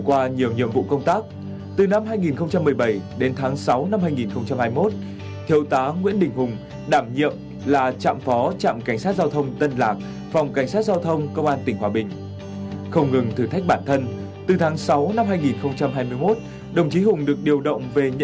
về nhận nhiệm vụ đội trưởng tại đội cảnh sát giao thông trật tự công an thành phố hòa bình